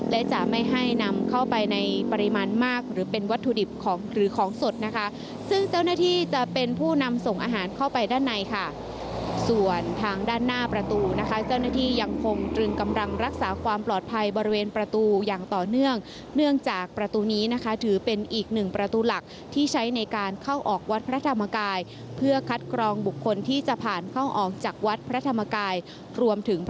และจะไม่ให้นำเข้าไปในปริมาณมากหรือเป็นวัตถุดิบของหรือของสดนะคะซึ่งเจ้าหน้าที่จะเป็นผู้นำส่งอาหารเข้าไปด้านในค่ะส่วนทางด้านหน้าประตูนะคะเจ้าหน้าที่ยังคงจึงกำลังรักษาความปลอดภัยบริเวณประตูอย่างต่อเนื่องเนื่องจากประตูนี้นะคะถือเป็นอีกหนึ่งประตูหลักที่ใช้ในการเข้าออกวัดพระธร